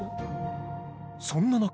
そんな中。